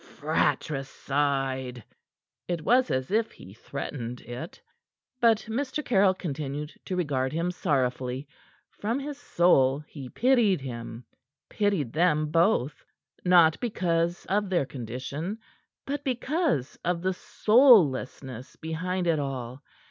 "Fratricide!" It was as if he threatened it. But Mr. Caryll continued to regard him sorrowfully. From his soul he pitied him; pitied them both not because of their condition, but because of the soullessness behind it all.